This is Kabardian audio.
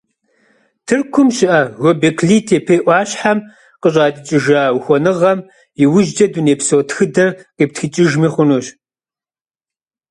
Тыркум щыӀэ Гёбекли-Тепе Ӏуащхьэм къыщӀатӀыкӀыжа ухуэныгъэм иужькӀэ дунейпсо тхыдэр къиптхыкӀыжми хъунущ.